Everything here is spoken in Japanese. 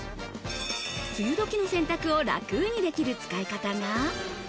梅雨どきの洗濯を楽にできる使い方が。